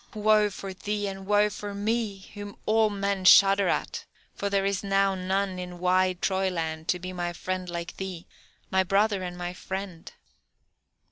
woe for thee, and woe for me, whom all men shudder at, for there is now none in wide Troyland to be my friend like thee, my brother and my friend!"